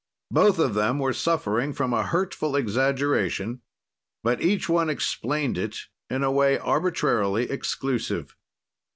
"Both of them were suffering from a hurtful exaggeration, but each one explained it in a way arbitrarily exclusive.